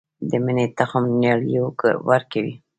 د مڼې تخم نیالګی ورکوي؟